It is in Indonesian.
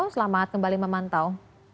selamat kembali memantau